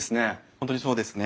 本当にそうですね。